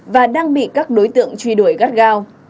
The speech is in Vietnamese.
và đang bị các đối tượng truy đuổi gắt gao